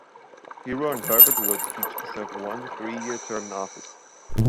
Pryor and Herbert would each serve one, three-year term in office.